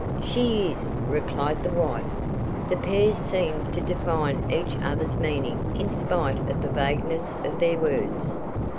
"She is," replied the wife. The pair seemed to define each other's meaning in spite of the vagueness of their words.